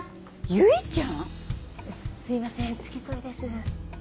唯ちゃん⁉すいません付き添いです。